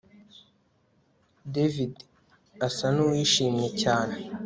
David asa nuwishimye cyane